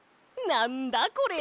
なんだこれ？